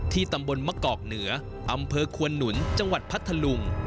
ตำบลมะกอกเหนืออำเภอควนหนุนจังหวัดพัทธลุง